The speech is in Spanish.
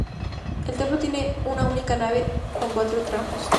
El templo tiene una única nave con cuatro tramos.